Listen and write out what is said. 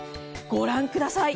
御覧ください。